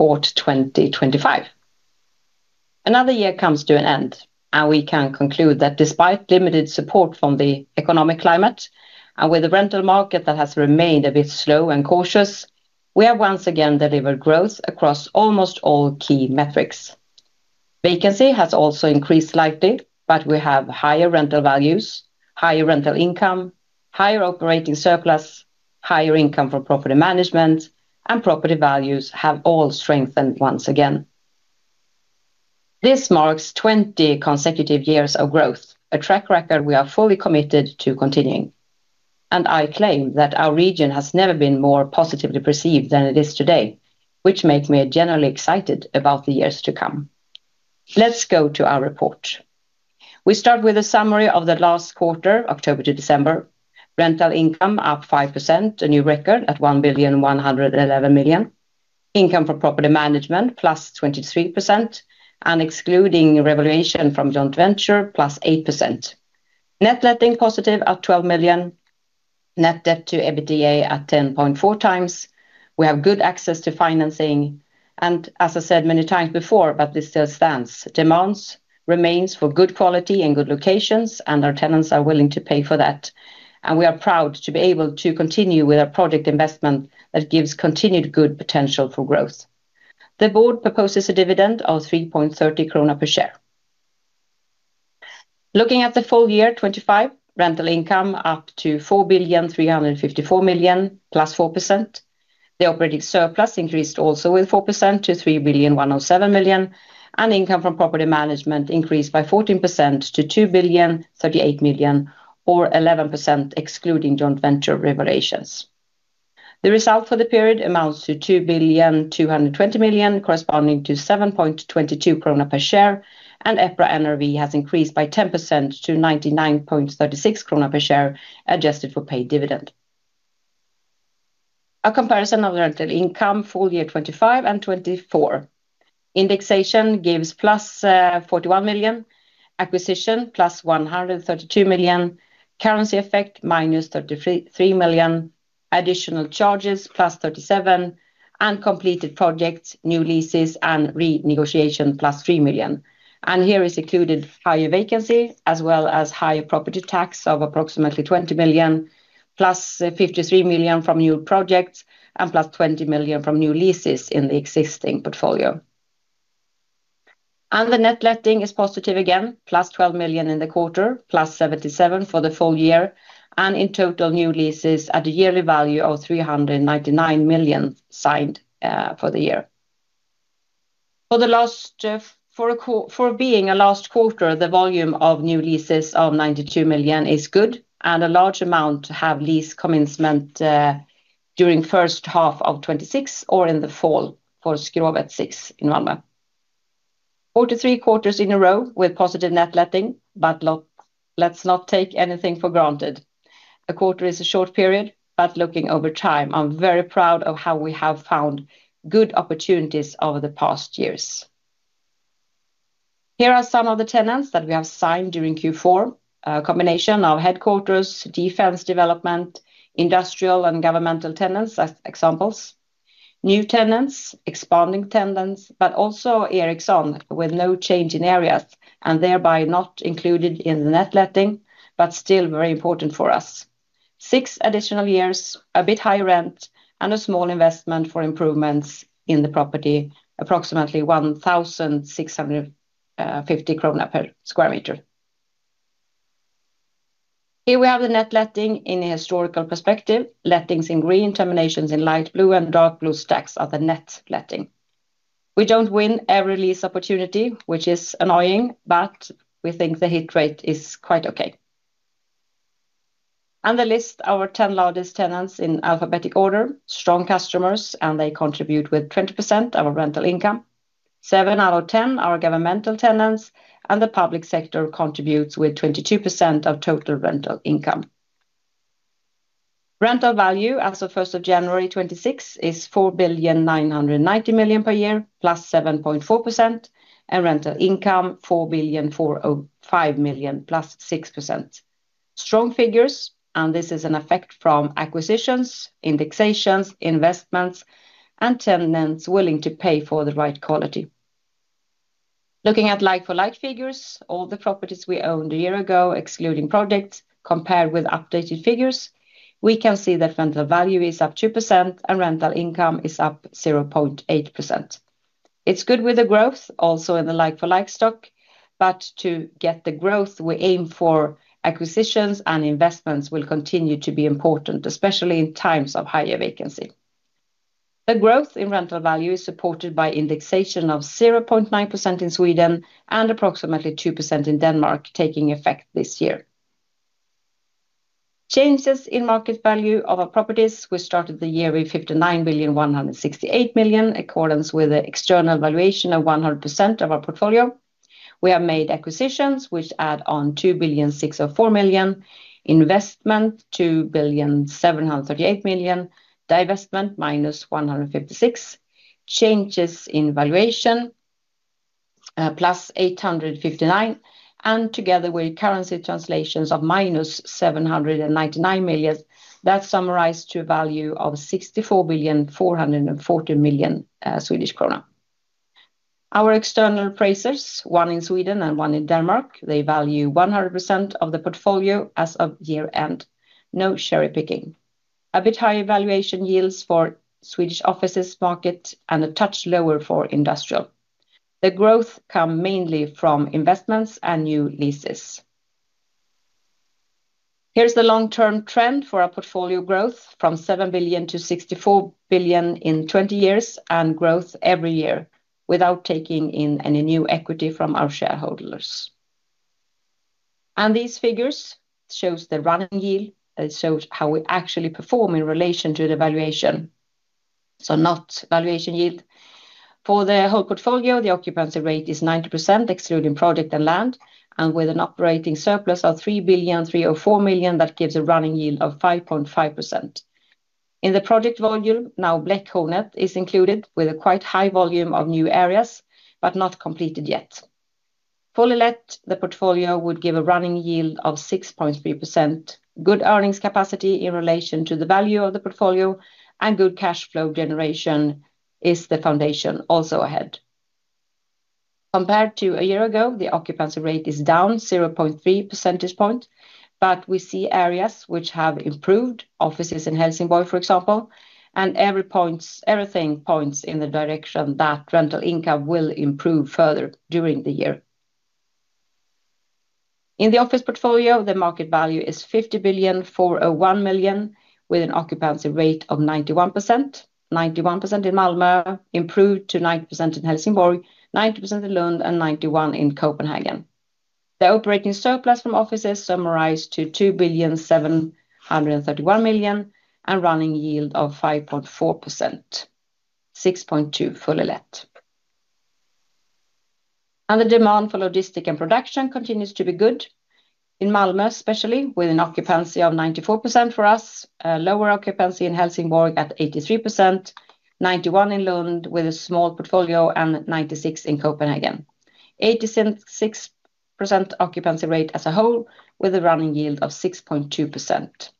Report 2025. Another year comes to an end, and we can conclude that despite limited support from the economic climate, and with the rental market that has remained a bit slow and cautious, we have once again delivered growth across almost all key metrics. Vacancy has also increased slightly, but we have higher rental values, higher rental income, higher operating surplus, higher income from property management, and property values have all strengthened once again. This marks 20 consecutive years of growth, a track record we are fully committed to continuing, and I claim that our region has never been more positively perceived than it is today, which makes me generally excited about the years to come. Let's go to our report. We start with a summary of the last quarter, October to December. Rental income up 5%, a new record at 1,111 million. Income from property management +23%, and excluding revaluation from joint venture +8%. Net letting positive at 12 million. Net debt to EBITDA at 10.4x. We have good access to financing, and as I said many times before, but this still stands, demands remains for good quality and good locations, and our tenants are willing to pay for that. We are proud to be able to continue with our project investment that gives continued good potential for growth. The board proposes a dividend of 3.30 krona per share. Looking at the full year 2025, rental income up to 4,354 million +4%. The operating surplus increased also with 4% to 3,107 million, and income from property management increased by 14% to 2,038 million, or 11%, excluding joint venture revaluations. The result for the period amounts to 2,220 million, corresponding to 7.22 krona per share, and EPRA NRV has increased by 10% to 99.36 krona per share, adjusted for paid dividend. A comparison of the rental income, full year 2025 and 2024. Indexation gives +41 million, acquisition, +132 million, currency effect, -33 million, additional charges, +37, and completed projects, new leases, and renegotiation, +3 million. Here is included higher vacancy, as well as higher property tax of approximately 20 million, plus 53 million from new projects, and plus 20 million from new leases in the existing portfolio. The net letting is positive again, plus 12 million in the quarter, plus 77 million for the full year, and in total, new leases at a yearly value of 399 million signed for the year. For the last quarter, the volume of new leases of 92 million is good, and a large amount have lease commencement during first half of 2026 or in the fall for Skrovet 6 in Malmö. 43 quarters in a row with positive net letting, but let's not take anything for granted. A quarter is a short period, but looking over time, I'm very proud of how we have found good opportunities over the past years. Here are some of the tenants that we have signed during Q4. A combination of headquarters, defense development, industrial and governmental tenants, as examples. New tenants, expanding tenants, but also Ericsson, with no change in areas, and thereby not included in the net letting, but still very important for us. Six additional years, a bit higher rent, and a small investment for improvements in the property, approximately 1,650 krona per square meter. Here we have the net letting in a historical perspective. Lettings in green, terminations in light blue, and dark blue stacks are the net letting. We don't win every lease opportunity, which is annoying, but we think the hit rate is quite okay. The list, our 10 largest tenants in alphabetic order, strong customers, and they contribute with 20% of our rental income. Seven out of 10 are governmental tenants, and the public sector contributes with 22% of total rental income. Rental value as of January 1, 2026 is 4.99 billion per year, +7.4%, and rental income, 4.405 billion, +6%. Strong figures, and this is an effect from acquisitions, indexations, investments, and tenants willing to pay for the right quality. Looking at like-for-like figures, all the properties we owned a year ago, excluding projects, compared with updated figures, we can see that rental value is up 2% and rental income is up 0.8%. It's good with the growth, also in the like-for-like stock, but to get the growth we aim for, acquisitions and investments will continue to be important, especially in times of higher vacancy. The growth in rental value is supported by indexation of 0.9% in Sweden and approximately 2% in Denmark, taking effect this year. Changes in market value of our properties. We started the year with 59 billion, 168 million, in accordance with the external valuation of 100% of our portfolio. We have made acquisitions, which add on 2 billion, 604 million, investment, 2 billion, 738 million, divestment, minus 156 million. Changes in valuation-... +859 million, and together with currency translations of -799 million, that summarized to a value of 64.44 billion. Our external appraisers, one in Sweden and one in Denmark, they value 100% of the portfolio as of year-end. No cherry-picking. A bit higher valuation yields for Swedish offices market and a touch lower for industrial. The growth come mainly from investments and new leases. Here's the long-term trend for our portfolio growth, from 7 billion to 64 billion in 20 years, and growth every year, without taking in any new equity from our shareholders. These figures shows the running yield, and it shows how we actually perform in relation to the valuation, so not valuation yield. For the whole portfolio, the occupancy rate is 90%, excluding project and land, and with an operating surplus of 3.304 billion, that gives a running yield of 5.5%. In the project volume, now Bläckhornet is included, with a quite high volume of new areas, but not completed yet. Fully let, the portfolio would give a running yield of 6.3%. Good earnings capacity in relation to the value of the portfolio, and good cash flow generation is the foundation also ahead. Compared to a year ago, the occupancy rate is down 0.3 percentage point, but we see areas which have improved, offices in Helsingborg, for example, and everything points in the direction that rental income will improve further during the year. In the office portfolio, the market value is 50.401 billion, with an occupancy rate of 91%. 91% in Malmö, improved to 90% in Helsingborg, 90% in Lund, and 91% in Copenhagen. The operating surplus from offices summarized to 2.731 billion, and running yield of 5.4%, 6.2% fully let. The demand for logistic and production continues to be good. In Malmö, especially, with an occupancy of 94% for us, lower occupancy in Helsingborg at 83%, 91% in Lund, with a small portfolio, and 96% in Copenhagen. 86% occupancy rate as a whole, with a running yield of 6.2%.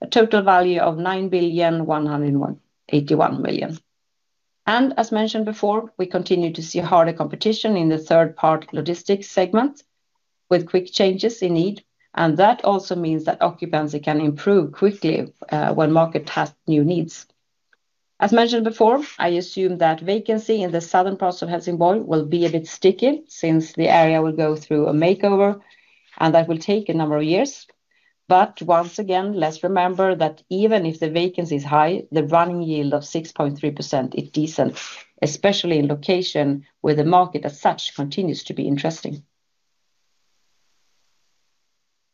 A total value of 9.181 billion. As mentioned before, we continue to see harder competition in the third-party logistics segment, with quick changes in need, and that also means that occupancy can improve quickly, when market has new needs. As mentioned before, I assume that vacancy in the southern parts of Helsingborg will be a bit sticky, since the area will go through a makeover, and that will take a number of years. But once again, let's remember that even if the vacancy is high, the running yield of 6.3% is decent, especially in location, where the market as such continues to be interesting.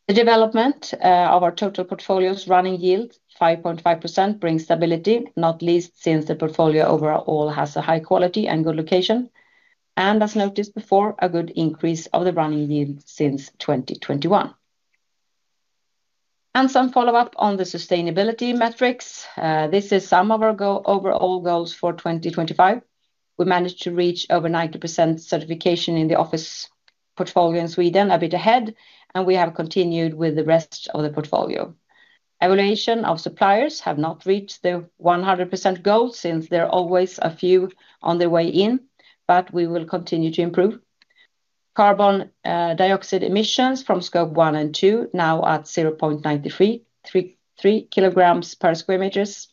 The development of our total portfolio's running yield, 5.5%, brings stability, not least since the portfolio overall has a high quality and good location. As noticed before, a good increase of the running yield since 2021. Some follow-up on the sustainability metrics. This is some of our overall goals for 2025. We managed to reach over 90% certification in the office portfolio in Sweden, a bit ahead, and we have continued with the rest of the portfolio. Evaluation of suppliers have not reached the 100% goal, since there are always a few on the way in, but we will continue to improve. Carbon dioxide emissions from Scope 1 and 2, now at 0.933 kg/sq m,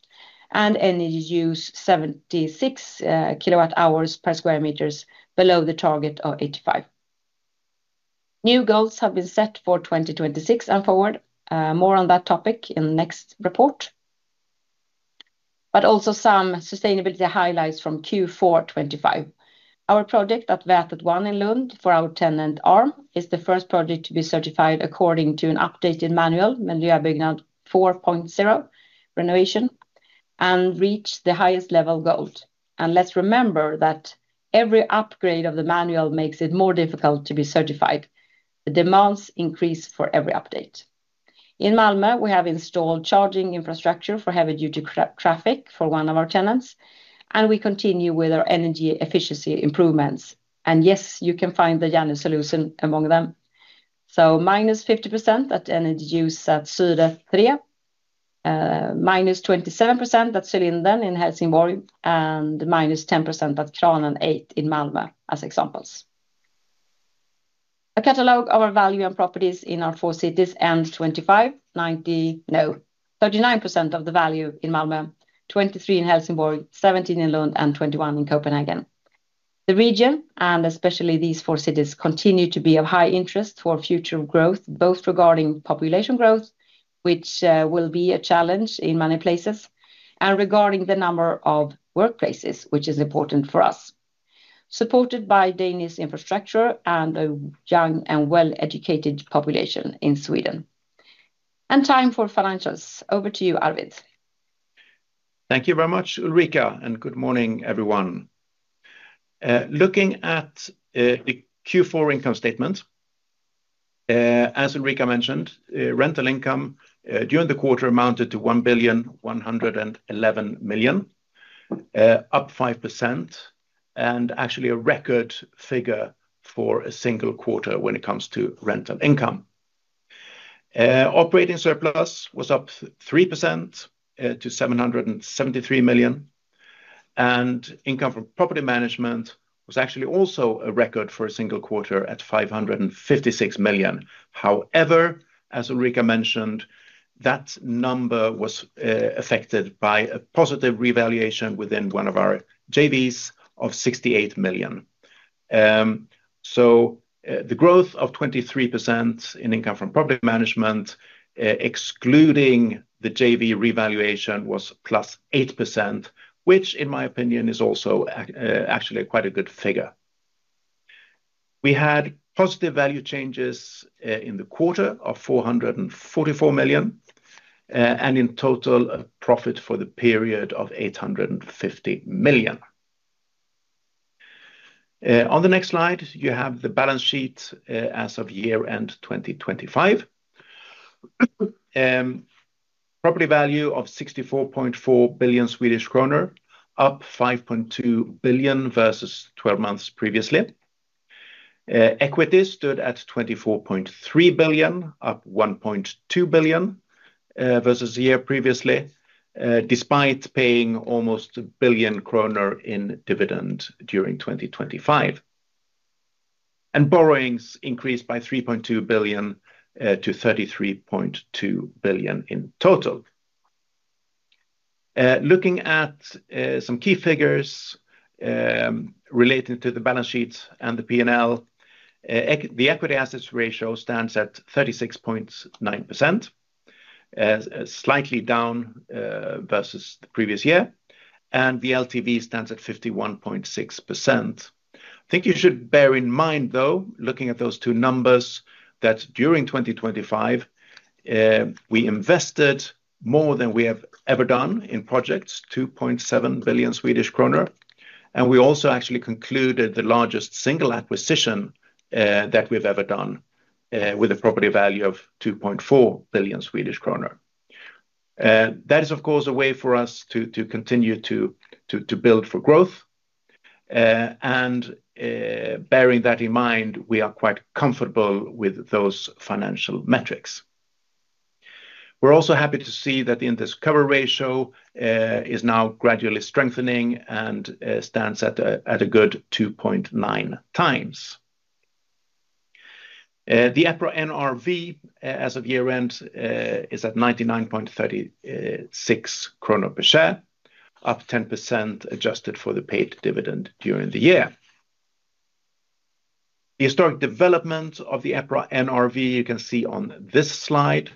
and energy use, 76 kWh/sq m, below the target of 85. New goals have been set for 2026 and forward. More on that topic in the next report. But also some sustainability highlights from Q4 2025. Our project at Vätet 1 in Lund for our tenant, ARM, is the first project to be certified according to an updated manual, Miljöbyggnad 4.0 renovation, and reached the highest level gold. Let's remember that every upgrade of the manual makes it more difficult to be certified. The demands increase for every update. In Malmö, we have installed charging infrastructure for heavy-duty traffic for one of our tenants, and we continue with our energy efficiency improvements. Yes, you can find the Janus solution among them. So minus 50% at energy use at Syre 3, minus 27% at Cylindern in Helsingborg, and minus 10% at Kranen 8 in Malmö, as examples. A catalog of our value and properties in our four cities: 39% of the value in Malmö, 23% in Helsingborg, 17% in Lund, and 21% in Copenhagen. The region, and especially these four cities, continue to be of high interest for future growth, both regarding population growth, which will be a challenge in many places, and regarding the number of workplaces, which is important for us. Supported by Danish infrastructure and a young and well-educated population in Sweden. Time for financials. Over to you, Arvid. Thank you very much, Ulrika, and good morning, everyone. Looking at the Q4 income statement. As Ulrika mentioned, rental income during the quarter amounted to 1,111 million, up 5%, and actually a record figure for a single quarter when it comes to rental income. Operating surplus was up 3% to 773 million, and income from property management was actually also a record for a single quarter at 556 million. However, as Ulrika mentioned, that number was affected by a positive revaluation within one of our JVs of 68 million. So, the growth of 23% in income from property management, excluding the JV revaluation, was +8%, which, in my opinion, is also actually quite a good figure. We had positive value changes in the quarter of 444 million, and in total, a profit for the period of 850 million. On the next slide, you have the balance sheet as of year-end 2025. Property value of 64.4 billion Swedish kronor, up 5.2 billion versus 12 months previously. Equity stood at 24.3 billion, up 1.2 billion versus the year previously, despite paying almost 1 billion kronor in dividend during 2025. And borrowings increased by 3.2 billion to 33.2 billion in total. Looking at some key figures relating to the balance sheets and the PNL, the equity assets ratio stands at 36.9%, slightly down versus the previous year, and the LTV stands at 51.6%. I think you should bear in mind, though, looking at those two numbers, that during 2025, we invested more than we have ever done in projects, 2.7 billion Swedish kronor. And we also actually concluded the largest single acquisition that we've ever done with a property value of 2.4 billion Swedish kronor. That is, of course, a way for us to continue to build for growth. Bearing that in mind, we are quite comfortable with those financial metrics. We're also happy to see that the interest cover ratio is now gradually strengthening and stands at a good 2.9 times. The EPRA NRV as of year-end is at 99.36 krona per share, up 10%, adjusted for the paid dividend during the year. The historic development of the EPRA NRV, you can see on this slide.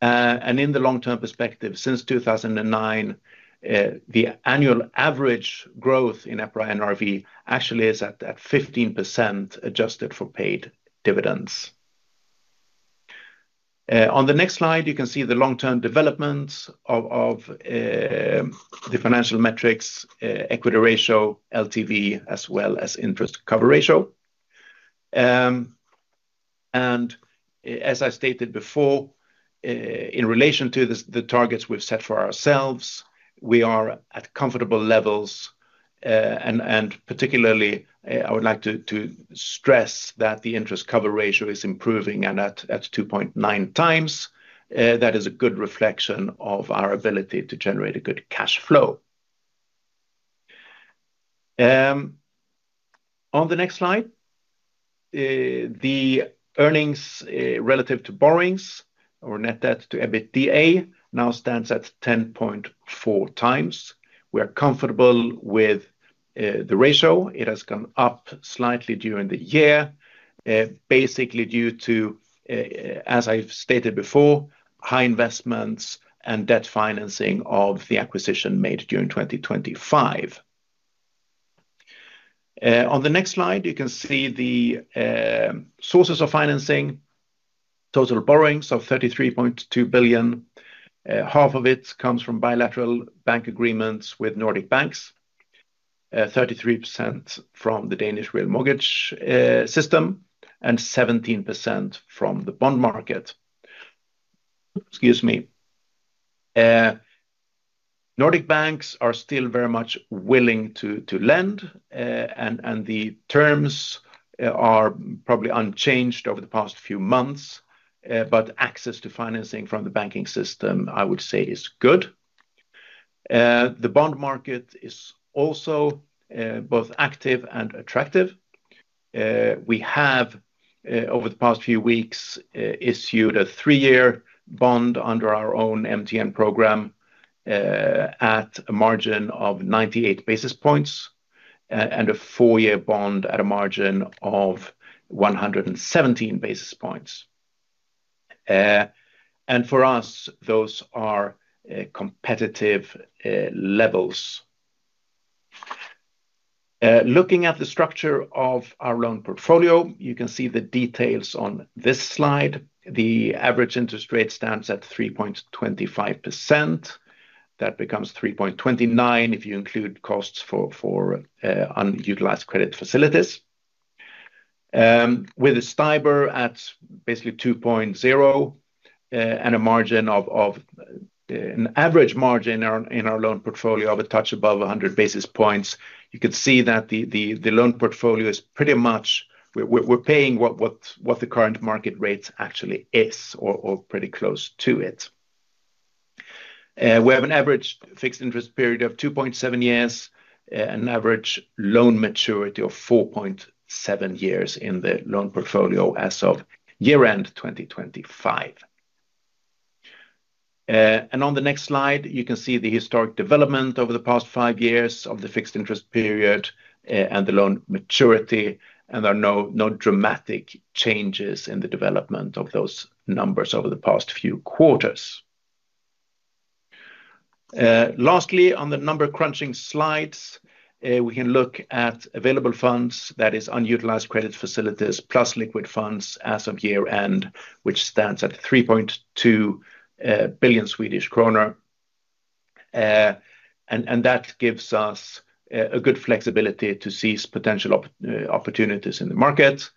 And in the long-term perspective, since 2009, the annual average growth in EPRA NRV actually is at 15%, adjusted for paid dividends. On the next slide, you can see the long-term developments of the financial metrics, equity ratio, LTV, as well as interest cover ratio. And as I stated before, in relation to the targets we've set for ourselves, we are at comfortable levels. And particularly, I would like to stress that the Interest Cover Ratio is improving, and at 2.9 times, that is a good reflection of our ability to generate a good cash flow. On the next slide, the earnings relative to borrowings or net debt to EBITDA now stands at 10.4 times. We are comfortable with the ratio. It has gone up slightly during the year, basically due to, as I've stated before, high investments and debt financing of the acquisition made during 2025. On the next slide, you can see the sources of financing. Total borrowings of 33.2 billion. Half of it comes from bilateral bank agreements with Nordic banks, 33% from the Danish real mortgage system, and 17% from the bond market. Excuse me. Nordic banks are still very much willing to lend, and the terms are probably unchanged over the past few months, but access to financing from the banking system, I would say, is good. The bond market is also both active and attractive. We have over the past few weeks issued a 3-year bond under our own MTN program at a margin of 98 basis points, and a 4-year bond at a margin of 117 basis points. And for us, those are competitive levels. Looking at the structure of our loan portfolio, you can see the details on this slide. The average interest rate stands at 3.25%. That becomes 3.29% if you include costs for unutilized credit facilities. With the STIBOR at basically 2.0, and a margin of an average margin in our loan portfolio of a touch above 100 basis points, you can see that the loan portfolio is pretty much we're paying what the current market rates actually is or pretty close to it. We have an average fixed interest period of 2.7 years, an average loan maturity of 4.7 years in the loan portfolio as of year-end 2025. On the next slide, you can see the historic development over the past five years of the fixed interest period, and the loan maturity, and there are no dramatic changes in the development of those numbers over the past few quarters. Lastly, on the number crunching slides, we can look at available funds, that is unutilized credit facilities, plus liquid funds as of year-end, which stands at 3.2 billion Swedish kronor. That gives us a good flexibility to seize potential opportunities in the market.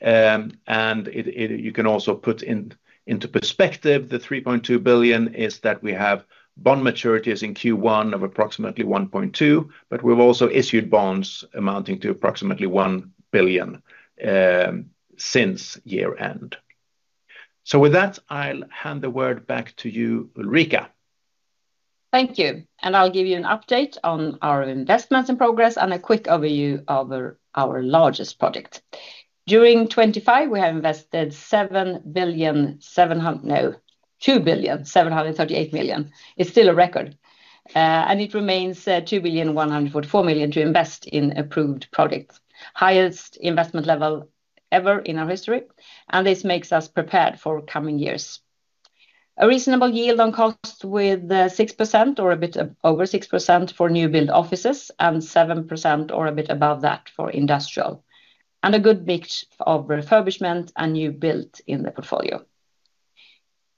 You can also put it into perspective; the 3.2 billion is that we have bond maturities in Q1 of approximately 1.2 billion, but we've also issued bonds amounting to approximately 1 billion since year-end. So with that, I'll hand the word back to you, Ulrika. Thank you, and I'll give you an update on our investments and progress and a quick overview of our largest project. During 2025, we have invested 2,738 million. It's still a record. And it remains 2,144 million to invest in approved projects. Highest investment level ever in our history, and this makes us prepared for coming years. A reasonable yield on cost with 6% or a bit above 6% for new build offices and 7% or a bit above that for industrial, and a good mix of refurbishment and new build in the portfolio.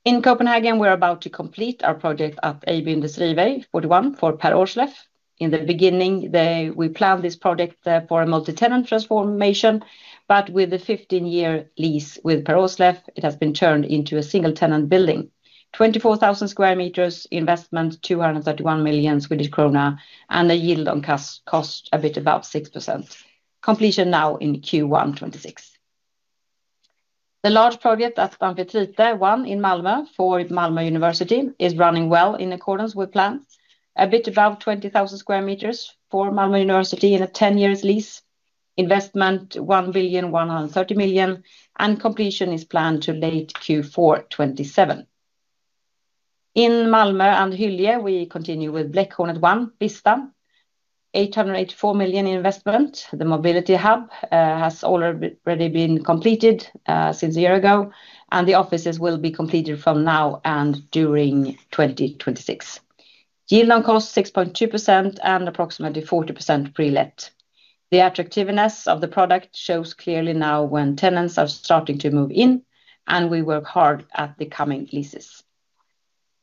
In Copenhagen, we're about to complete our project at Industriholmen 41 for Per Aarsleff. In the beginning, we planned this project for a multi-tenant transformation, but with a 15-year lease with Per Aarsleff, it has been turned into a single-tenant building. 24,000 square meters investment, 231 million Swedish krona, and a yield on cost a bit above 6%. Completion now in Q1 2026. The large project at Amfitrite 1 in Malmö for Malmö University is running well in accordance with plans. A bit above 20,000 square meters for Malmö University in a 10-year lease. Investment, 1.13 billion, and completion is planned to late Q4 2027. In Malmö and Hyllie, we continue with Bläckhornet 1, Ystad. 884 million investment. The mobility hub has already been completed since a year ago, and the offices will be completed from now and during 2026. Yield on cost 6.2% and approximately 40% pre-let. The attractiveness of the product shows clearly now when tenants are starting to move in, and we work hard at the coming leases.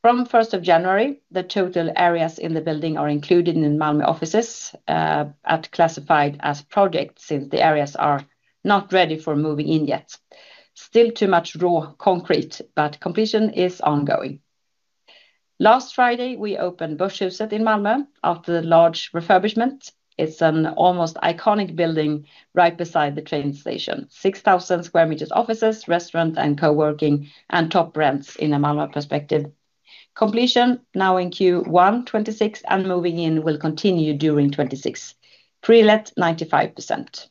From first of January, the total areas in the building are included in Malmö offices are classified as projects, since the areas are not ready for moving in yet. Still too much raw concrete, but completion is ongoing. Last Friday, we opened Börshuset in Malmö after the large refurbishment. It's an almost iconic building right beside the train station. 6,000 square meters offices, restaurant, and coworking, and top rents in a Malmö perspective. Completion now in Q1 2026, and moving in will continue during 2026. Pre-let 95%.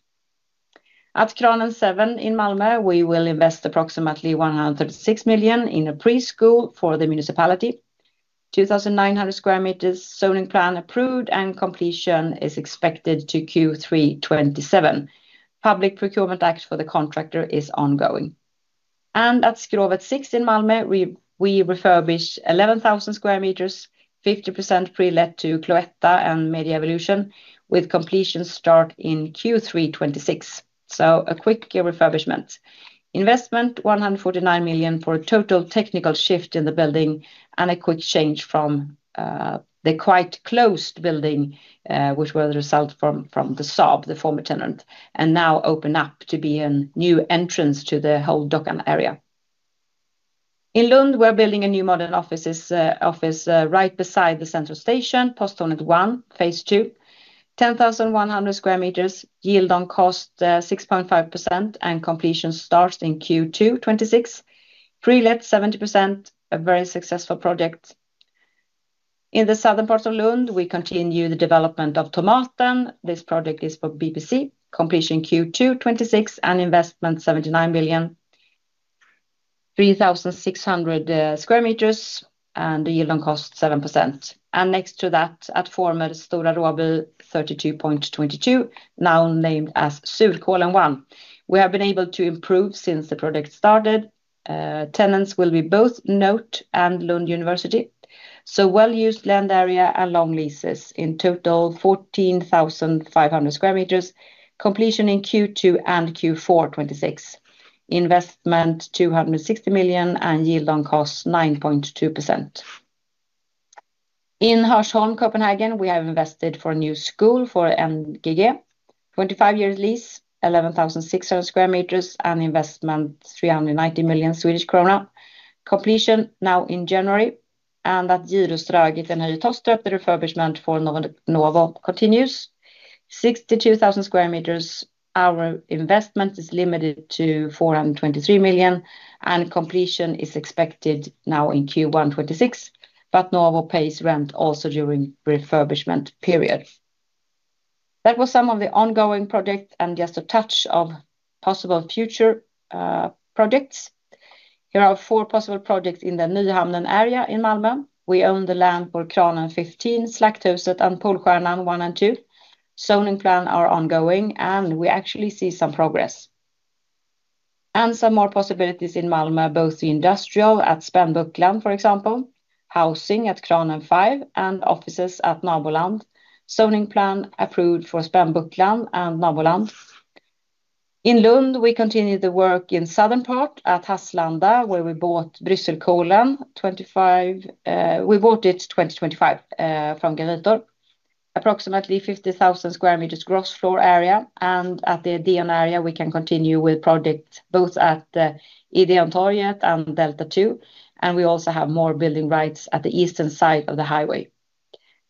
At Kranen 7 in Malmö, we will invest approximately 136 million in a preschool for the municipality. 2,900 square meters, zoning plan approved, and completion is expected to Q3 2027. Public procurement act for the contractor is ongoing. At Skrovet 6 in Malmö, we refurbish 11,000 square meters, 50% pre-let to Cloetta and Media Evolution, with completion start in Q3 2026. So a quick refurbishment. Investment, 149 million for a total technical shift in the building and a quick change from the quite closed building, which were the result from the Saab, the former tenant, and now open up to be a new entrance to the whole Dockan area. In Lund, we're building a new modern offices, office, right beside the central station, Posthornet 1, phase two. 10,100 square meters, yield on cost, 6.5%, and completion starts in Q2 2026. Pre-let, 70%, a very successful project. In the southern parts of Lund, we continue the development of Tomaten. This project is for Inpac. Completion Q2 2026, and investment, 79 million. 3,600 square meters, and the yield on cost, 7%. And next to that, at former Stora Råby 32:22, now named as Sulkappen 1. We have been able to improve since the project started. Tenants will be both NOTE AB and Lund University, so well-used land area and long leases. In total, 14,500 square meters. Completion in Q2 and Q4 2026. Investment, 260 million, and yield on cost, 9.2%. In Hørsholm, Copenhagen, we have invested for a new school for NGG. 25-year lease, 11,600 square meters, and investment 390 million Swedish krona. Completion now in January, and at Ravnsbjerg in Hillerød, the refurbishment for Novo continues. 62,000 square meters, our investment is limited to 423 million, and completion is expected now in Q1 2026, but Novo pays rent also during refurbishment period. That was some of the ongoing project and just a touch of possible future projects. Here are four possible projects in the Nyhamnen area in Malmö. We own the land for Kranen 15, Slakthuset, and Polstjärnan 1 and 2. Zoning plan are ongoing, and we actually see some progress. Some more possibilities in Malmö, both the industrial at Spännbocken, for example, housing at Kranen 5, and offices at Nabolandet. Zoning plan approved for Spännbocken and Nabolandet. In Lund, we continue the work in southern part at Hasslanda, where we bought Brysselkålen 25. We bought it 2025 from Granitor. Approximately 50,000 square meters gross floor area, and at the Ideon area, we can continue with project, both at the Ideontorget and Delta 2, and we also have more building rights at the eastern side of the highway.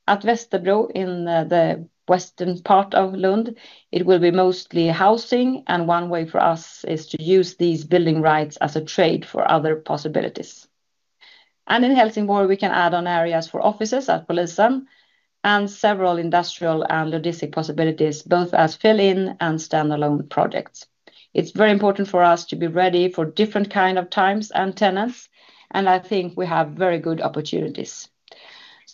At Västerbro, in the western part of Lund, it will be mostly housing, and one way for us is to use these building rights as a trade for other possibilities. And in Helsingborg, we can add on areas for offices at Polisen and several industrial and logistic possibilities, both as fill-in and standalone projects. It's very important for us to be ready for different kind of times and tenants, and I think we have very good opportunities.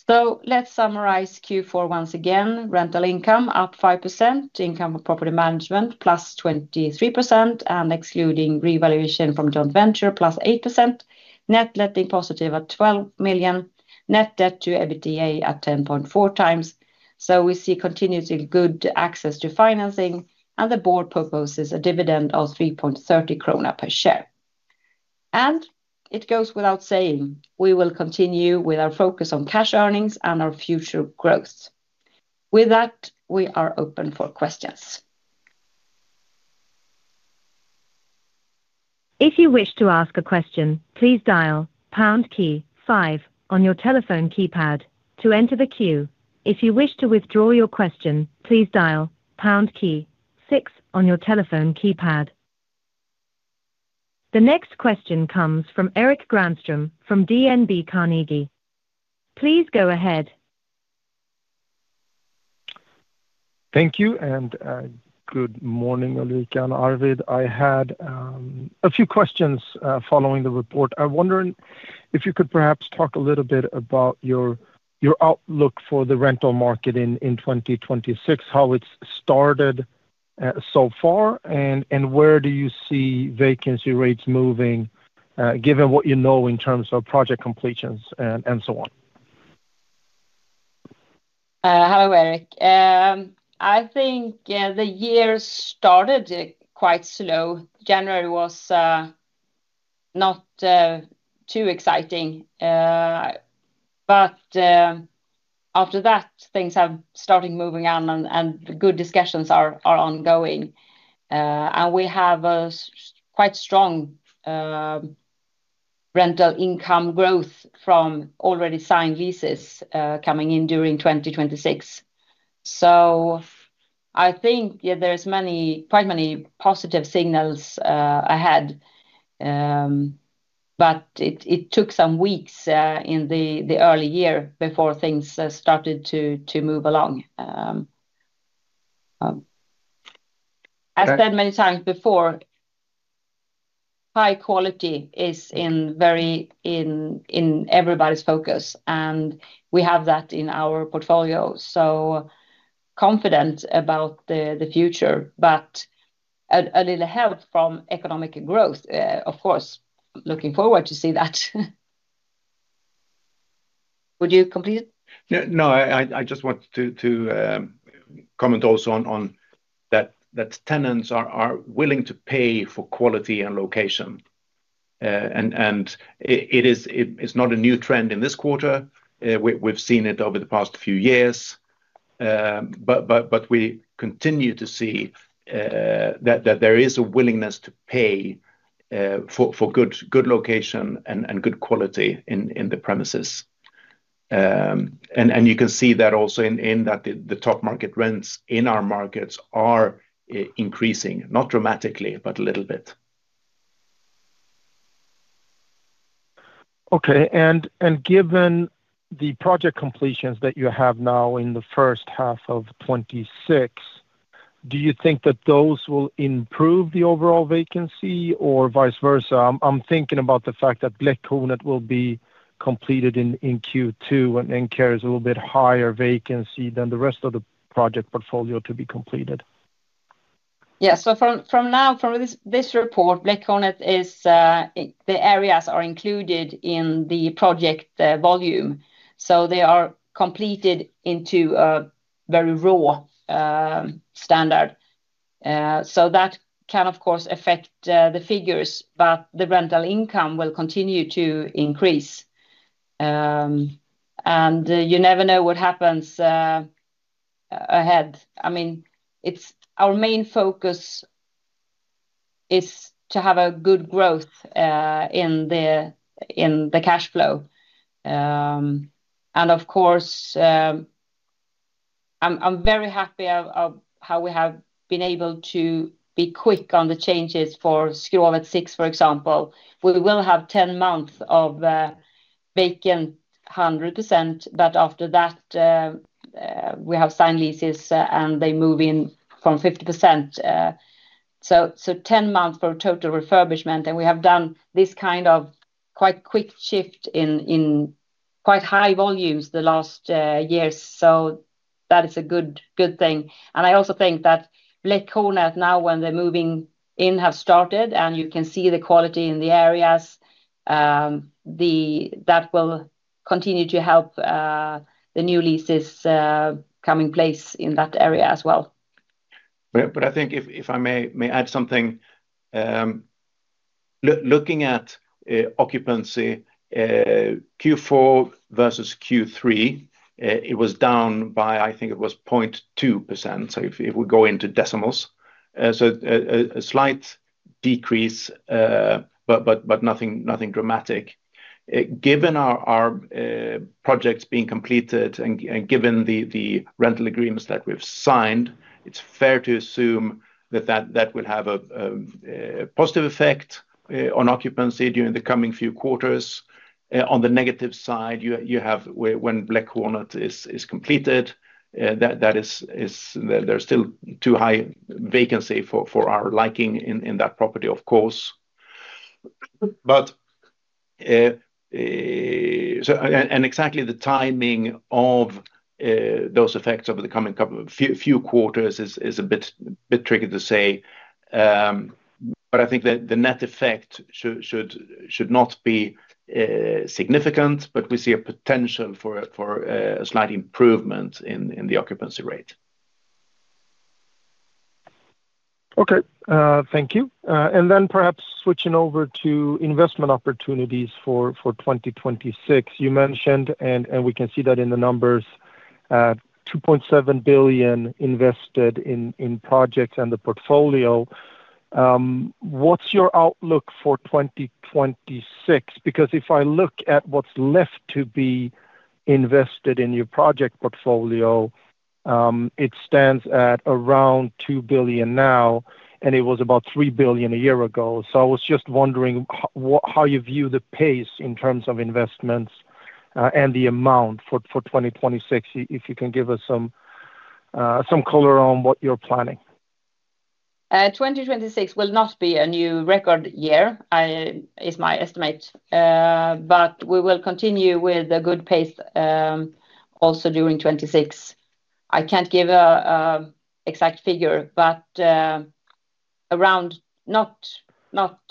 So let's summarize Q4 once again. Rental income, up 5%. Income from property management, +23%, and excluding revaluation from joint venture, +8%. Net letting positive at 12 million. Net debt to EBITDA at 10.4x, so we see continuously good access to financing, and the board proposes a dividend of 3.30 krona per share. And it goes without saying, we will continue with our focus on cash earnings and our future growth. With that, we are open for questions. If you wish to ask a question, please dial pound key five on your telephone keypad to enter the queue. If you wish to withdraw your question, please dial pound key six on your telephone keypad. The next question comes from Erik Granström from DNB Carnegie. Please go ahead. Thank you, and good morning, Ulrika and Arvid. I had a few questions following the report. I'm wondering if you could perhaps talk a little bit about your outlook for the rental market in 2026, how it's started so far, and where do you see vacancy rates moving, given what you know in terms of project completions and so on? Hello, Eric. I think, yeah, the year started quite slow. January was not too exciting. But after that, things have started moving on, and good discussions are ongoing. And we have quite strong rental income growth from already signed leases coming in during 2026. So I think, yeah, there's quite many positive signals ahead. But it took some weeks in the early year before things started to move along. I said many times before, high quality is in everybody's focus, and we have that in our portfolio, so confident about the future, but a little help from economic growth, of course, looking forward to see that. Would you complete it? Yeah, no, I just want to comment also on that tenants are willing to pay for quality and location. And it is, it's not a new trend in this quarter. We've seen it over the past few years. But we continue to see that there is a willingness to pay for good location and good quality in the premises. And you can see that also in that the top market rents in our markets are increasing. Not dramatically, but a little bit. Okay, and given the project completions that you have now in the first half of 2026, do you think that those will improve the overall vacancy or vice versa? I'm thinking about the fact that Bläckhornet will be completed in Q2, and then carries a little bit higher vacancy than the rest of the project portfolio to be completed. Yeah. So from now, from this report, Bläckhornet is, the areas are included in the project volume, so they are completed into a very raw standard. So that can, of course, affect the figures, but the rental income will continue to increase. And you never know what happens ahead. I mean, our main focus is to have a good growth in the cash flow. And of course, I'm very happy of how we have been able to be quick on the changes for Skrovet 6, for example. We will have 10 months of vacant 100%, but after that, we have signed leases, and they move in from 50%, so 10 months for total refurbishment, and we have done this kind of quite quick shift in quite high volumes the last years. So that is a good, good thing. And I also think that Bläckhornet now, when the moving in have started, and you can see the quality in the areas, that will continue to help the new leases coming place in that area as well. But I think if I may add something, looking at occupancy, Q4 versus Q3, it was down by, I think it was 0.2%, so if we go into decimals. So a slight decrease, but nothing dramatic. Given our projects being completed and given the rental agreements that we've signed, it's fair to assume that that will have a positive effect on occupancy during the coming few quarters. On the negative side, you have when Bläckhornet is completed, that is... There's still too high vacancy for our liking in that property, of course. But exactly the timing of those effects over the coming few quarters is a bit tricky to say. But I think that the net effect should not be significant, but we see a potential for a slight improvement in the occupancy rate. Okay, thank you. And then perhaps switching over to investment opportunities for 2026. You mentioned, and we can see that in the numbers, 2.7 billion invested in projects and the portfolio. What's your outlook for 2026? Because if I look at what's left to be invested in your project portfolio, it stands at around 2 billion now, and it was about 3 billion a year ago. So I was just wondering what, how you view the pace in terms of investments, and the amount for 2026. If you can give us some color on what you're planning. 2026 will not be a new record year. It is my estimate, but we will continue with a good pace, also during 2026. I can't give a exact figure, but around, not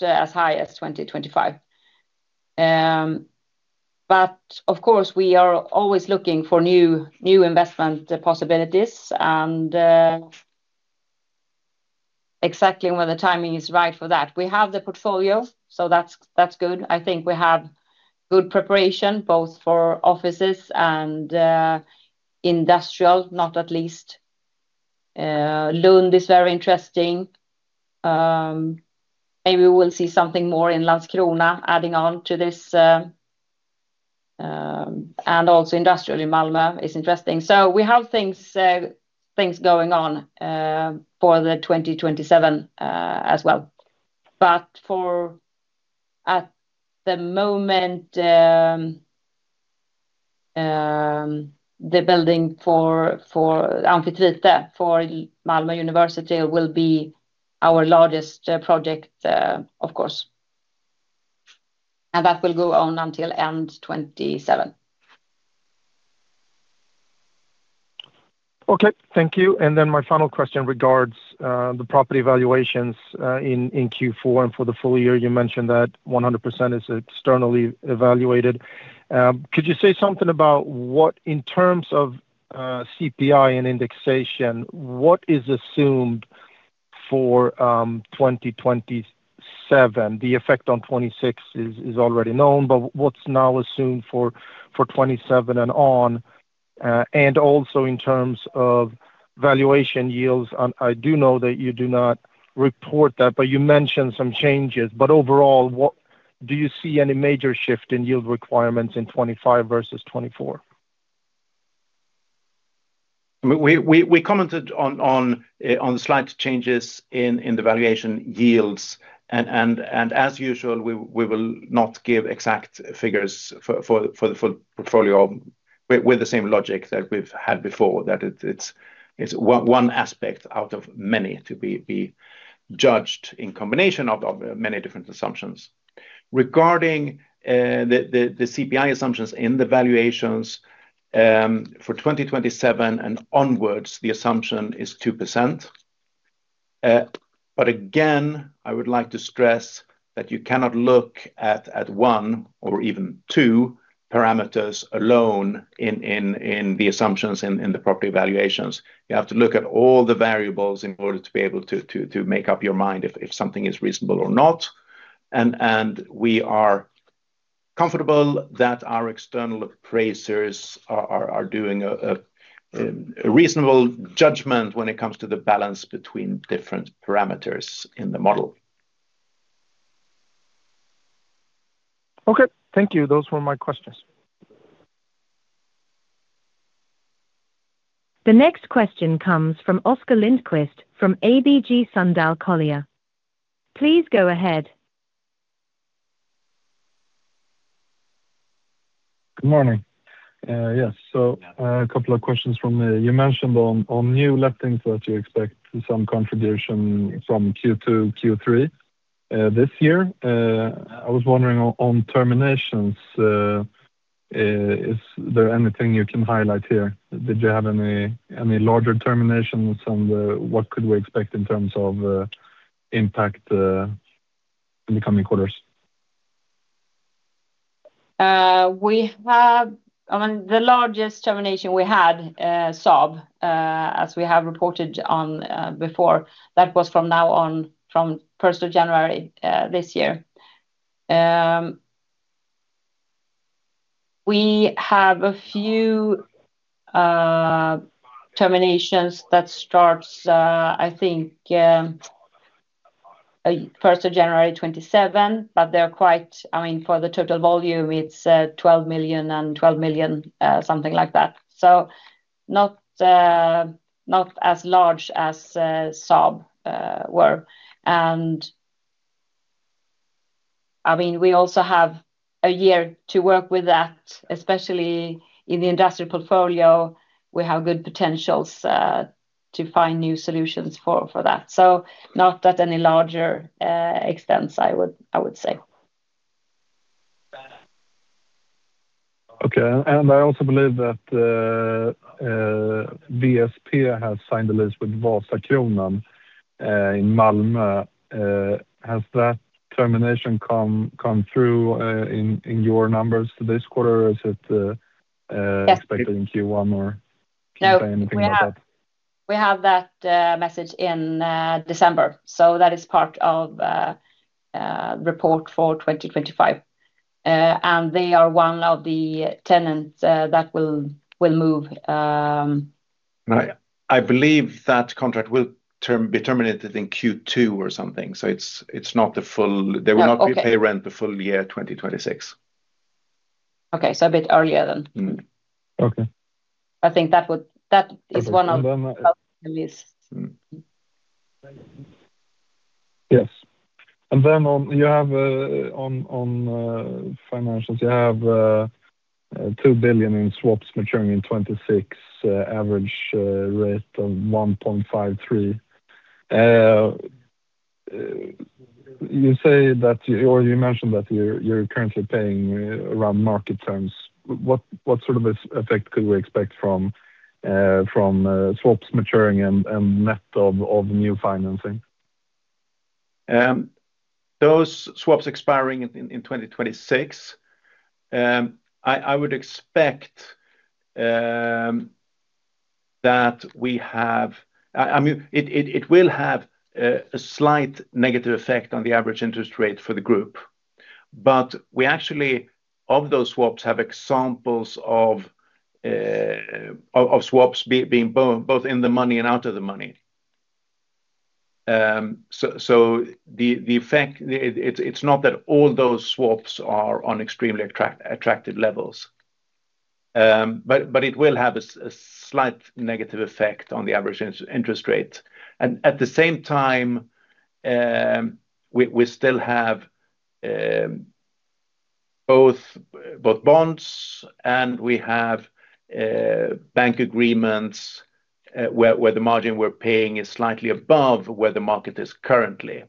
as high as 2025. But of course, we are always looking for new investment possibilities and exactly when the timing is right for that. We have the portfolio, so that's good. I think we have good preparation, both for offices and industrial, not least. Lund is very interesting. Maybe we will see something more in Landskrona adding on to this, and also industrial in Malmö is interesting. So we have things going on for 2027 as well. But, for the moment, the building for Amfitrite for Malmö University will be our largest project, of course. That will go on until end 2027. Okay, thank you. And then my final question regards the property valuations in Q4 and for the full year. You mentioned that 100% is externally evaluated. Could you say something about what, in terms of CPI and indexation, what is assumed for 2027? The effect on 2026 is already known, but what's now assumed for 2027 and on, and also in terms of valuation yields, and I do know that you do not report that, but you mentioned some changes. But overall, what do you see any major shift in yield requirements in 2025 versus 2024? We commented on slight changes in the valuation yields, and as usual, we will not give exact figures for the full portfolio with the same logic that we've had before, that it's one aspect out of many to be judged in combination of many different assumptions. Regarding the CPI assumptions in the valuations, for 2027 and onwards, the assumption is 2%. But again, I would like to stress that you cannot look at one or even two parameters alone in the assumptions in the property valuations. You have to look at all the variables in order to be able to make up your mind if something is reasonable or not. We are comfortable that our external appraisers are doing a reasonable judgment when it comes to the balance between different parameters in the model. Okay, thank you. Those were my questions. The next question comes from Oscar Lindqvist from ABG Sundal Collier. Please go ahead. Good morning. Yes, so, a couple of questions from, you mentioned on new lettings that you expect some contribution from Q2, Q3, this year. I was wondering on terminations, is there anything you can highlight here? Did you have any larger terminations on the—what could we expect in terms of impact in the coming quarters? We have... I mean, the largest termination we had, Saab, as we have reported on, before, that was from now on, from first of January, this year. We have a few, terminations that starts, I think, first of January 2027, but they are quite-- I mean, for the total volume, it's, 12 million and 12 million, something like that. So not, not as large as, Saab, were. And, I mean, we also have a year to work with that, especially in the industrial portfolio. We have good potentials, to find new solutions for that. So not at any larger, extent, I would say. Okay. I also believe that WSP has signed the lease with Vasakronan in Malmö. Has that termination come through in your numbers for this quarter, or is it Yes... expected in Q1, or can you say anything about that? No, we have that message in December, so that is part of report for 2025. And they are one of the tenants that will move. I believe that contract will be terminated in Q2 or something, so it's not the full- Oh, okay. They will not pay rent the full year 2026. Okay, so a bit earlier then. Mm-hmm. Okay. I think that would... That is one of- And then, The least. Mm-hmm. Yes. And then on financials, you have 2 billion in swaps maturing in 2026, average rate of 1.53. You say that, or you mentioned that you're currently paying around market terms. What sort of effect could we expect from swaps maturing and net of new financing? Those swaps expiring in 2026, I would expect that we have... I mean, it will have a slight negative effect on the average interest rate for the group, but we actually, of those swaps, have examples of swaps being both in the money and out of the money. So, the effect, it's not that all those swaps are on extremely attractive levels, but it will have a slight negative effect on the average interest rate. And at the same time, we still have both bonds, and we have bank agreements, where the margin we're paying is slightly above where the market is currently.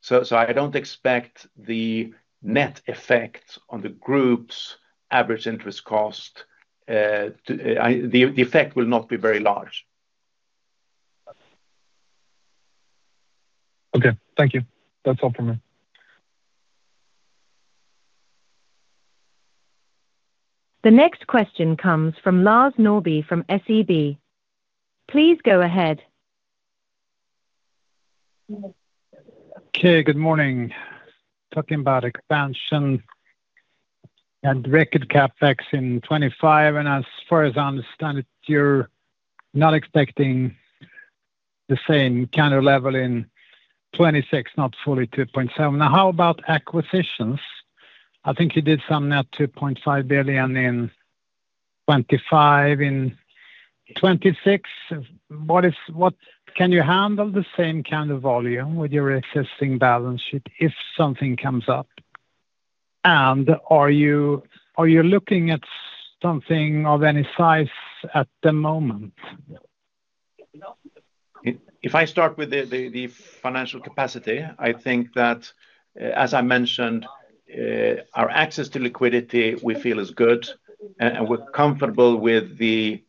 So, I don't expect the net effect on the group's average interest cost to... the effect will not be very large. Okay, thank you. That's all for me. The next question comes from Lars Norrby from SEB. Please go ahead. Okay, good morning. Talking about expansion and record CapEx in 2025, and as far as I understand it, you're not expecting the same kind of level in 2026, not fully 2.7 billion. Now, how about acquisitions? I think you did some net 2.5 billion in 2025. In 2026, what is-- what... Can you handle the same kind of volume with your existing balance sheet if something comes up? And are you, are you looking at something of any size at the moment? If I start with the financial capacity, I think that, as I mentioned, our access to liquidity, we feel is good, and we're comfortable with the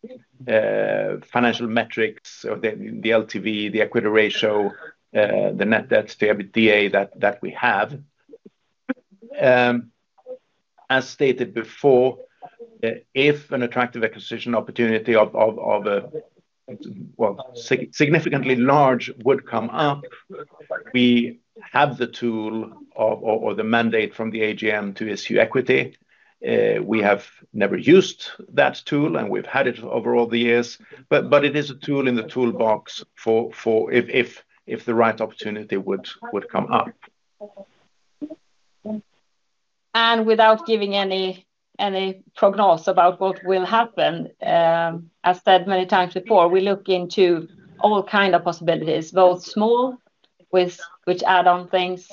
financial metrics of the LTV, the equity ratio, the net debt to EBITDA that we have. As stated before, if an attractive acquisition opportunity of a well, significantly large would come up, we have the tool or the mandate from the AGM to issue equity. We have never used that tool, and we've had it over all the years, but it is a tool in the toolbox for if the right opportunity would come up. Without giving any prognosis about what will happen, I said many times before, we look into all kind of possibilities, both small, with which add-on things,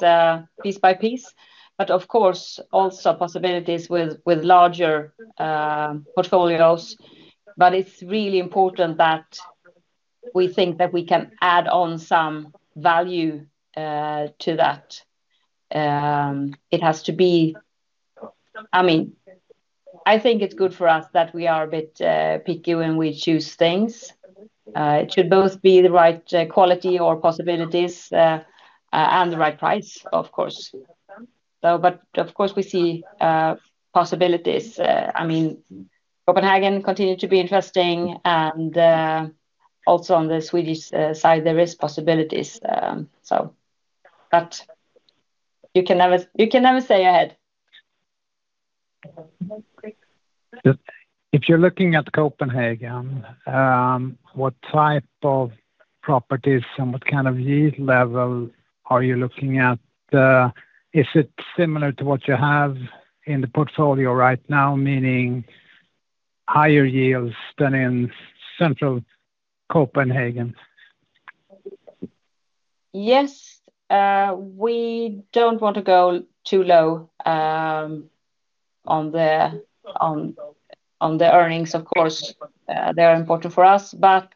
piece by piece, but of course, also possibilities with larger portfolios. But it's really important that we think that we can add on some value to that. It has to be—I mean, I think it's good for us that we are a bit picky when we choose things. It should both be the right quality or possibilities and the right price, of course. So but, of course, we see possibilities. I mean, Copenhagen continue to be interesting, and also on the Swedish side, there is possibilities, so. But you can never say ahead. If you're looking at Copenhagen, what type of properties and what kind of yield level are you looking at? Is it similar to what you have in the portfolio right now, meaning higher yields than in central Copenhagen? Yes. We don't want to go too low on the earnings. Of course, they are important for us, but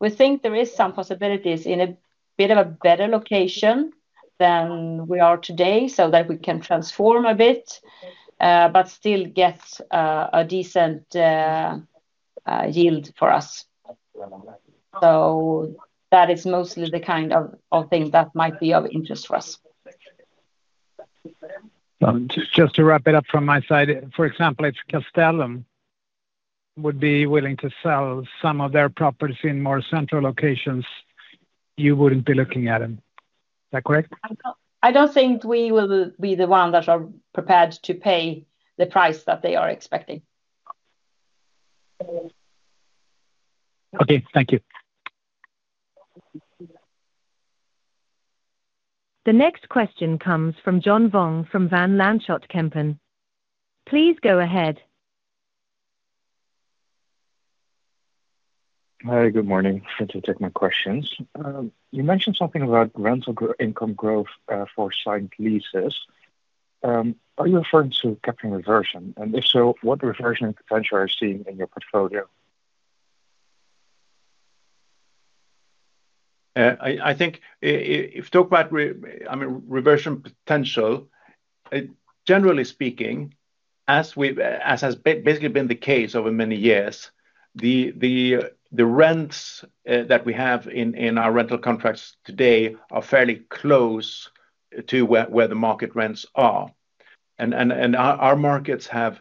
we think there is some possibilities in a bit of a better location than we are today, so that we can transform a bit, but still get a decent yield for us. So that is mostly the kind of thing that might be of interest to us. Just, just to wrap it up from my side, for example, if Castellum would be willing to sell some of their properties in more central locations, you wouldn't be looking at them. Is that correct? I don't think we will be the one that are prepared to pay the price that they are expecting. Okay, thank you. The next question comes from John Vuong from Van Lanschot Kempen. Please go ahead. Hi, good morning. Thank you for taking my questions. You mentioned something about rental income growth for signed leases. Are you referring to capital reversion? And if so, what reversion potential are you seeing in your portfolio? I think if you talk about, I mean, reversion potential, generally speaking, as has basically been the case over many years, the rents that we have in our rental contracts today are fairly close to where the market rents are. Our markets have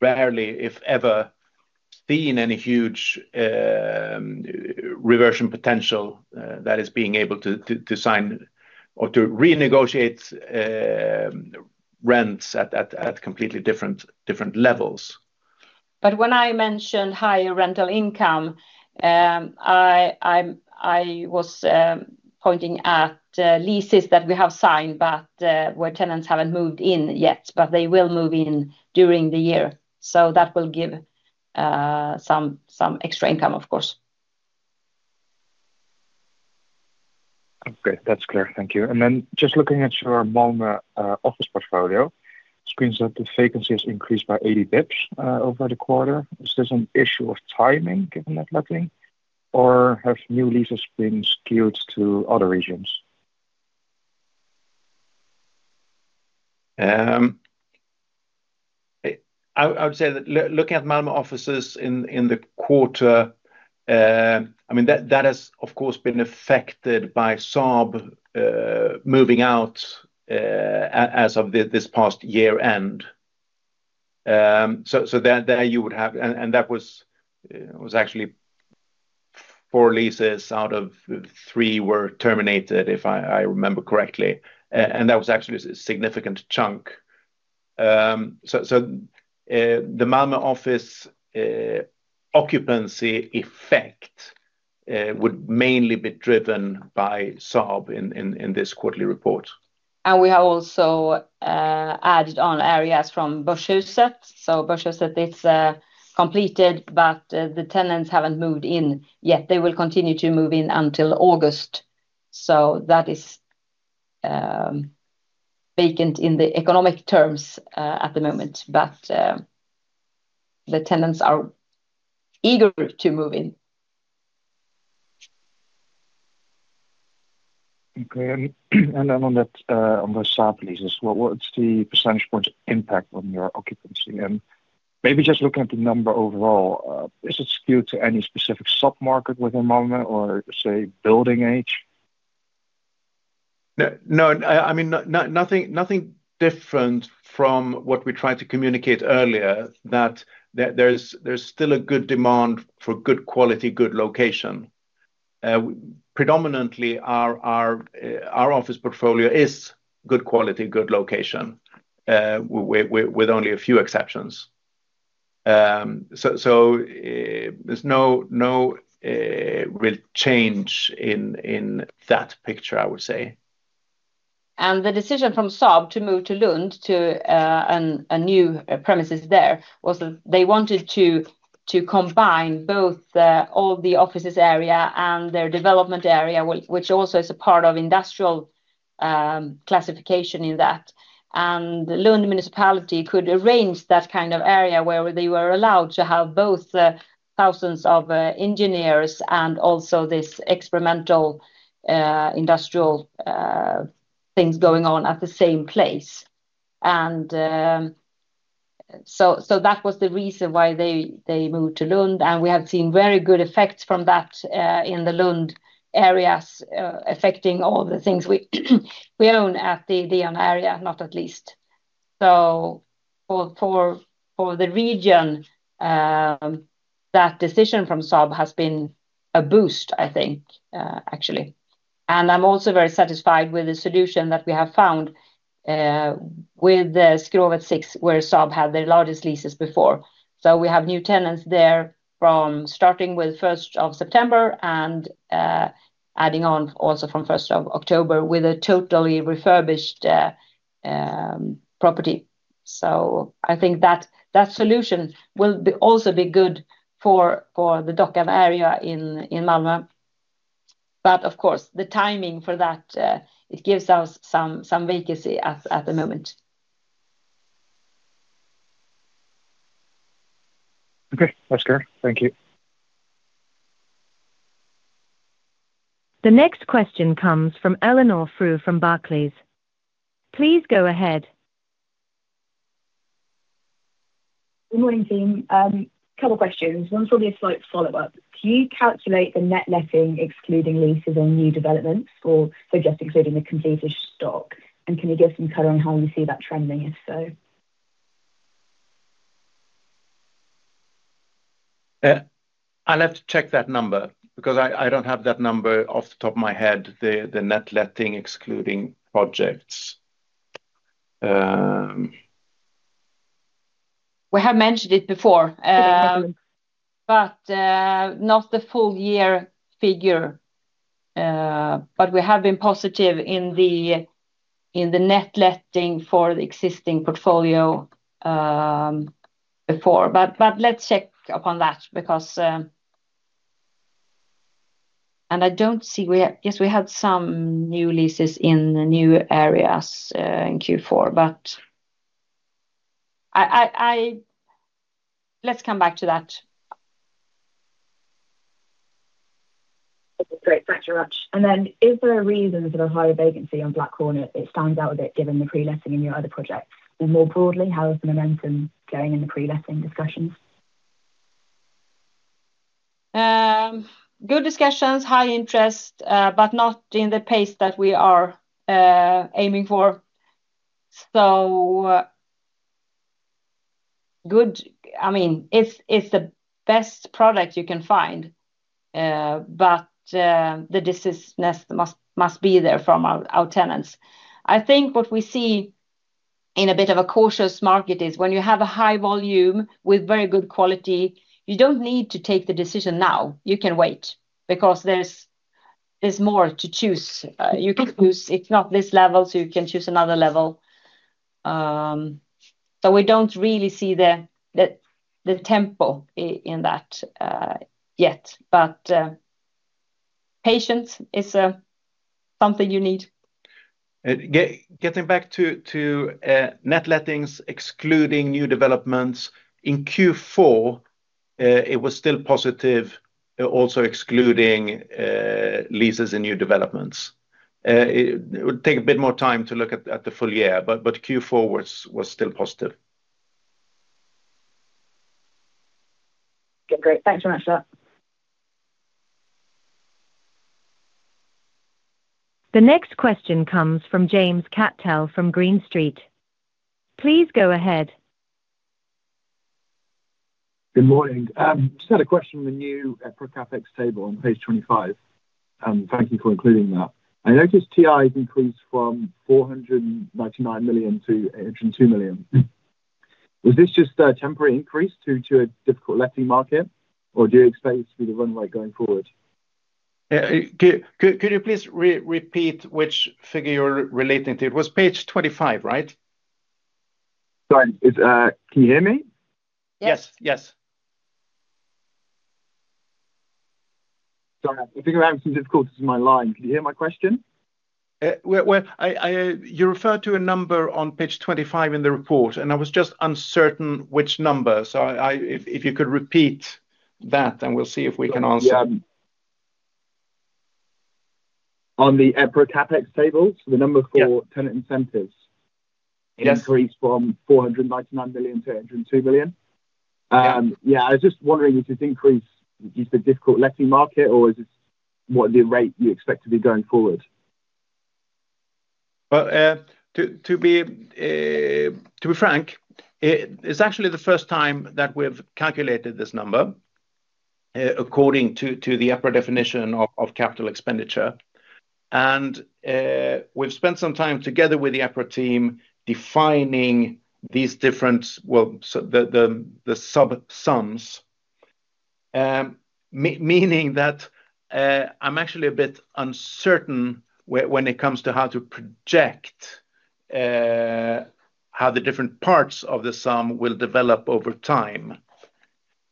rarely, if ever, seen any huge reversion potential, that is being able to sign or to renegotiate rents at completely different levels. But when I mentioned higher rental income, I was pointing at leases that we have signed, but where tenants haven't moved in yet, but they will move in during the year. So that will give some extra income, of course. Okay, that's clear. Thank you. And then just looking at your Malmö office portfolio, it seems that the vacancy has increased by 80 basis points over the quarter. Is this an issue of timing, given that leveling, or have new leases been skewed to other regions? I would say that looking at Malmö offices in the quarter, I mean, that has, of course, been affected by Saab moving out as of this past year end. So there you would have... And that was actually four leases out of three were terminated, if I remember correctly. And that was actually a significant chunk. So the Malmö office occupancy effect would mainly be driven by Saab in this quarterly report. We have also added on areas from Börshuset. So Börshuset, it's completed, but the tenants haven't moved in yet. They will continue to move in until August. That is vacant in the economic terms at the moment, but the tenants are eager to move in.... Okay, and then on that, on the Saab leases, what's the percentage point impact on your occupancy? And maybe just looking at the number overall, is it skewed to any specific sub-market within Malmö or, say, building age? No, I mean, nothing different from what we tried to communicate earlier, that there's still a good demand for good quality, good location. Predominantly, our office portfolio is good quality, good location, with only a few exceptions. So, there's no real change in that picture, I would say. The decision from Saab to move to Lund to a new premises there was that they wanted to combine both all the offices area and their development area, which also is a part of industrial classification in that. So that was the reason why they moved to Lund, and we have seen very good effects from that in the Lund areas, affecting all the things we own at the area, not least. So for the region, that decision from Saab has been a boost, I think, actually. And I'm also very satisfied with the solution that we have found with the Skrovet 6, where Saab had their largest leases before. So we have new tenants there from starting with first of September and adding on also from first of October with a totally refurbished property. So I think that solution will also be good for the Dockan area in Malmö. But of course, the timing for that, it gives us some vacancy at the moment. Okay, that's clear. Thank you. The next question comes from Eleanor Frew from Barclays. Please go ahead. Good morning, team. A couple questions. One will be a slight follow-up. Do you calculate the net letting, excluding leases and new developments, or so just including the completed stock? And can you give some color on how you see that trending, if so? I'll have to check that number because I don't have that number off the top of my head, the net letting excluding projects. We have mentioned it before, but not the full year figure. But we have been positive in the net letting for the existing portfolio before. But let's check upon that because... And I don't see we have... Yes, we had some new leases in the new areas in Q4, but I... Let's come back to that. Okay, great. Thanks very much. And then is there a reason there's a higher vacancy on Bläckhornet? It stands out a bit, given the pre-letting in your other projects. And more broadly, how is the momentum going in the pre-letting discussions? Good discussions, high interest, but not in the pace that we are aiming for. I mean, it's the best product you can find, but the decisiveness must be there from our tenants. I think what we see in a bit of a cautious market is when you have a high volume with very good quality, you don't need to take the decision now. You can wait, because there's more to choose. You can choose, if not this level, so you can choose another level. So we don't really see the tempo in that yet, but patience is something you need. Getting back to net lettings, excluding new developments, in Q4, it was still positive, also excluding leases and new developments. It would take a bit more time to look at the full year, but Q4 was still positive. Okay, great. Thanks very much for that. The next question comes from James Cattell, from Green Street. Please go ahead. Good morning. Just had a question on the new, pro CapEx table on page 25, and thank you for including that. I noticed TI increased from 499 million to 802 million. Is this just a temporary increase due to a difficult letting market, or do you expect it to be the runway going forward? Could you please repeat which figure you're relating to? It was page 25, right? Sorry, it's... Can you hear me? Yes. Yes, yes. Sorry. I think I'm having some difficulties with my line. Can you hear my question? Well, I, you referred to a number on page 25 in the report, and I was just uncertain which number. So, if you could repeat that, then we'll see if we can answer. On the EPRA CapEx table? Yeah. The number for tenant incentives- Yes. -increased from 499 million to 802 million. Yeah. Yeah, I was just wondering if this increase is the difficult letting market, or is this what the rate you expect to be going forward? Well, to be frank, it's actually the first time that we've calculated this number according to the upper definition of capital expenditure. And we've spent some time together with the EPRA team, defining these different... Well, so the sub sums, meaning that, I'm actually a bit uncertain when it comes to how to project how the different parts of the sum will develop over time.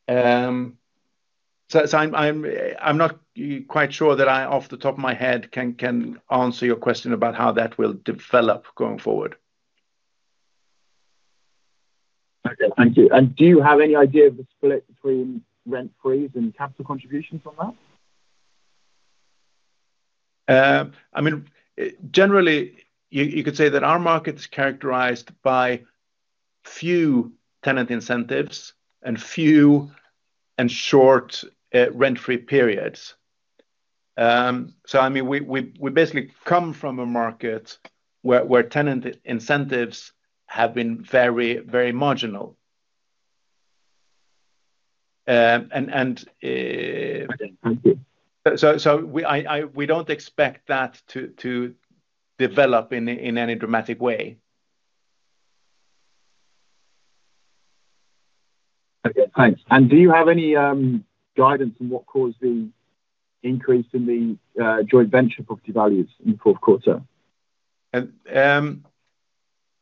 So I'm not quite sure that I, off the top of my head, can answer your question about how that will develop going forward. Okay, thank you. And do you have any idea of the split between rent freeze and capital contributions on that? I mean, generally, you could say that our market is characterized by few tenant incentives and few and short rent-free periods. So I mean, we basically come from a market where tenant incentives have been very, very marginal. And... Thank you. So we don't expect that to develop in any dramatic way. Okay, thanks. Do you have any guidance on what caused the increase in the joint venture property values in Q4?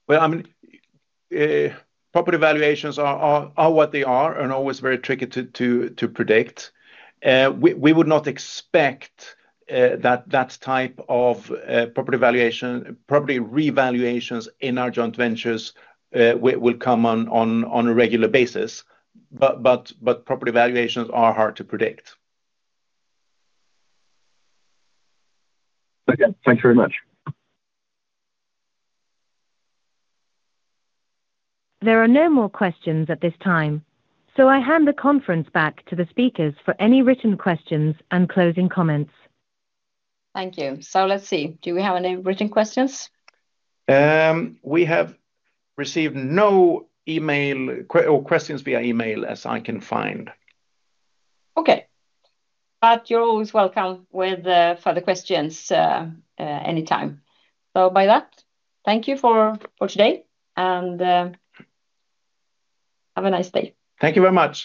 Well, I mean, property valuations are what they are and always very tricky to predict. We would not expect that type of property valuation, property revaluations in our joint ventures will come on a regular basis. But property valuations are hard to predict. Okay. Thanks very much. There are no more questions at this time, so I hand the conference back to the speakers for any written questions and closing comments. Thank you. So let's see. Do we have any written questions? We have received no email questions or questions via email, as I can find. Okay. But you're always welcome with further questions anytime. So by that, thank you for today, and have a nice day. Thank you very much.